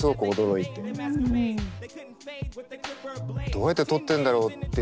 どうやって撮ってるんだろうって。